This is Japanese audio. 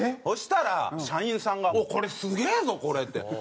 そしたら社員さんが「おおすげえぞこれ」って。